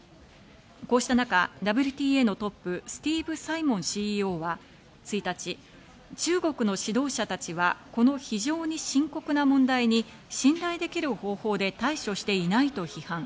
こうした中、ＷＴＡのトップ、スティーブ・サイモンＣＥＯは１日、中国の指導者たちはこの非常に深刻な問題に信頼できる方法で対処していないと批判。